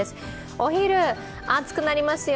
お昼、暑くなりますよ。